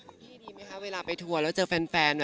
พี่ดีไหมคะเวลาไปทัวร์แล้วเจอแฟน